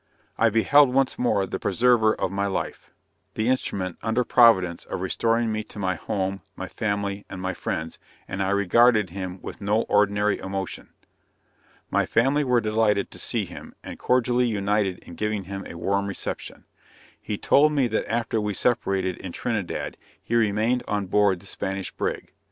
I beheld once more the preserver of my life; the instrument, under Providence, of restoring me to my home, my family, and my friends, and I regarded him with no ordinary emotion. My family were delighted to see him, and cordially united in giving him a warm reception. He told me that after we separated in Trinidad, he remained on board the Spanish brig.